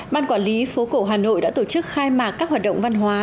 ban quản lý phố cổ hà nội đã tổ chức khai mạc các hoạt động văn hóa